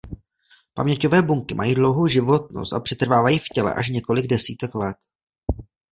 Paměťové buňky mají dlouhou životnost a přetrvávají v těle až několik desítek let.